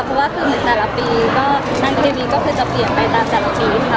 หรือว่าคือเหมือนแต่ละปีก็ทางทีนี้ก็คือจะเปลี่ยนไปตามแต่ละปีค่ะ